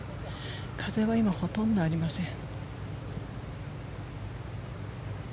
風は今、ほとんどありません。